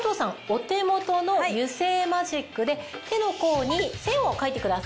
お手元の油性マジックで手の甲に線を書いてください。